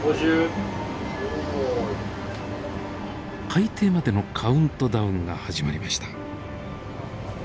海底までのカウントダウンが始まりました。